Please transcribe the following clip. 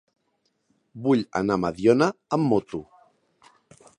Vull anar a Mediona amb moto.